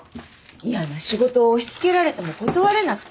嫌な仕事を押し付けられても断れなくて。